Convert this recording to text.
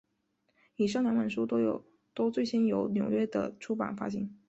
以上两本书都最先由纽约的出版发行。